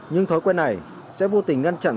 nhưng thói quen này sẽ vô tình ngăn chặn